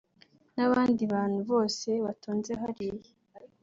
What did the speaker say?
n’abandi bantu bose batonze hariya